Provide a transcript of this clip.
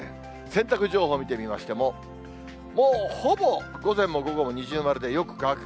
洗濯情報見てみましても、もうほぼ、午前も午後も二重丸でよく乾く。